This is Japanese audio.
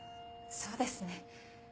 そうですね。